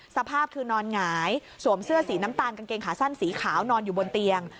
สภาพคือนอนหงายสวมเสื้อสีน้ำตาลกางเกงขาสั้นสีขาวนอนอยู่บนเตียง